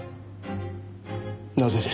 なぜです？